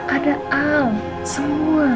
ada al semua